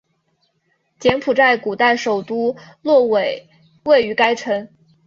柬埔寨古代首都洛韦位于该城。